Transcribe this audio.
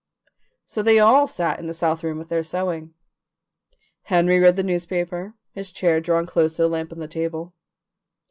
So they all sat in the south room with their sewing. Henry read the newspaper, his chair drawn close to the lamp on the table.